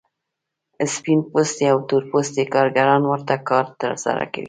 سپین پوستي او تور پوستي کارګران ورته کار ترسره کوي